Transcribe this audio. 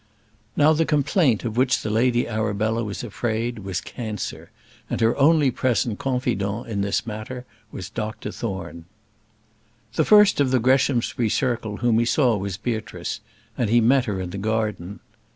Now the complaint of which the Lady Arabella was afraid, was cancer: and her only present confidant in this matter was Dr Thorne. The first of the Greshamsbury circle whom he saw was Beatrice, and he met her in the garden.